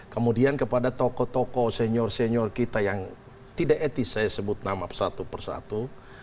kemudian kepada tokoh tokoh senior senior kita yang tidak etis saya sebut nama satu persatu